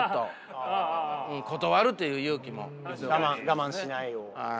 我慢しないように。